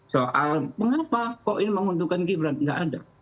soal mengapa kok ini menguntungkan gibran nggak ada